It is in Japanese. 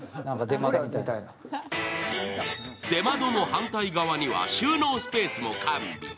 出窓の反対側には収納スペースも完備。